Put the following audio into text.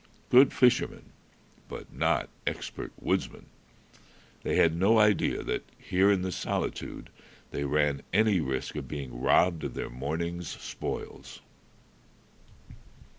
Good fishermen, but not expert woodsmen, they had no idea that, here in the solitude, they ran any risk of being robbed of their morning's spoils.